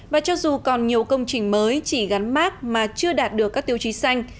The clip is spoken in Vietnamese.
và cho dù còn nhiều công trình mới chỉ gắn mát mà chưa đạt được các tiêu chí xanh